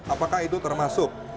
apakah itu termasuk zona penelitian